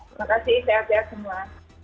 terima kasih sehat sehat semua